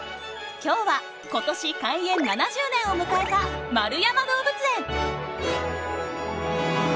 今日は今年開園７０年を迎えた円山動物園。